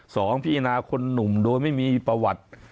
สองพิจารณาคนหนุ่มโดยไม่มีประวัติ